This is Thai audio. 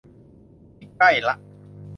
นี่ใกล้ละ